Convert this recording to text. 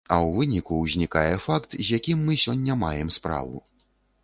А ў выніку ўзнікае факт, з якім мы сёння маем справу.